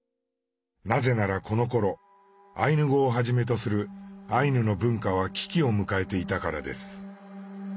なぜならこのころアイヌ語をはじめとするアイヌの文化は危機を迎えていたからです。